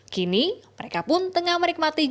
kini mereka pun tengah menikmati